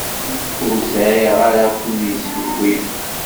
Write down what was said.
Ur sɛiɣ ara akud i usewwi.